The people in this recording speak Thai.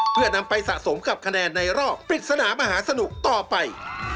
เพื่อนำไปสะสมกับคะแนนในรอบปริศนามหาสนุกต่อไป